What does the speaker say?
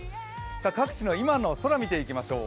各地の今の空を見ていきましょう。